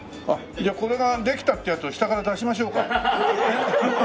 じゃあこれができたってやつを下から出しましょうか。